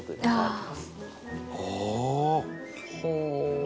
ああ！